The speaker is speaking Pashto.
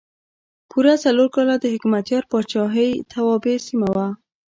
پوره څلور کاله د حکمتیار پاچاهۍ توابع سیمه وه.